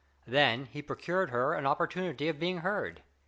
Then he procured her an opportunity of being heard.